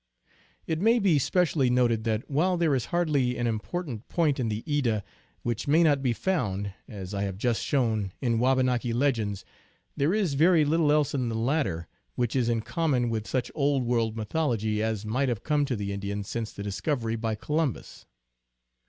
It may be specially noted that while there is hardly an important point in the Edda which may not be found, as I have just shown, in Wabanaki legends, there is very little else in the latter which is in com mon with such Old World mythology as might have come to the Indians since the discovery by Columbus.